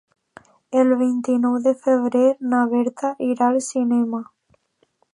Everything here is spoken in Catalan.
El vint-i-nou de febrer na Berta irà al cinema.